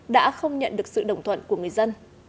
đã không nhận được sự đồng thuận của người dân